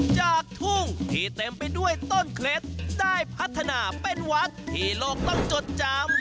จากทุ่งที่เต็มไปด้วยต้นเคล็ดได้พัฒนาเป็นวัดที่โลกต้องจดจำ